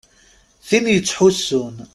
Tin yettḥusun.